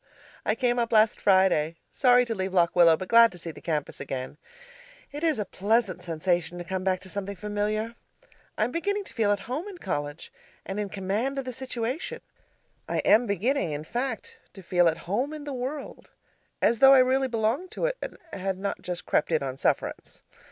I came up last Friday, sorry to leave Lock Willow, but glad to see the campus again. It is a pleasant sensation to come back to something familiar. I am beginning to feel at home in college, and in command of the situation; I am beginning, in fact, to feel at home in the world as though I really belonged to it and had not just crept in on sufferance.